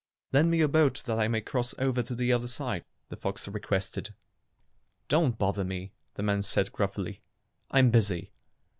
"Lend me your boat that I may cross over to the other side," the fox requested. "Don't bother me," the man said gruffly. "I'm busy."